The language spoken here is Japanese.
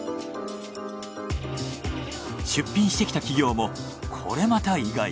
出品してきた企業もこれまた意外。